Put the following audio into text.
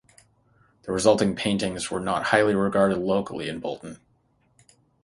The resulting paintings were not highly regarded locally in Bolton.